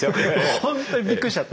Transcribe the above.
ほんとにびっくりしちゃって。